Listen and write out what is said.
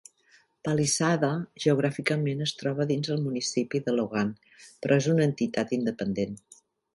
Palisade geogràficament es troba dins del municipi de Logan, però és una entitat independent.